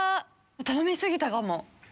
頼み過ぎたかも。